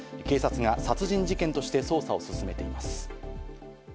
警察が殺人事件として捜査を進めています。